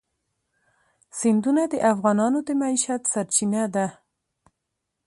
سیندونه د افغانانو د معیشت سرچینه ده.